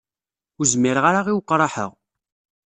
Ur zmireɣ ara i weqraḥ-a.